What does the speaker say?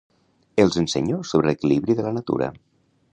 Els ensenyo sobre l'equilibri de la natura.